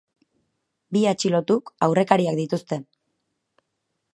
Bi atxilotuk aurrekariak dituzte.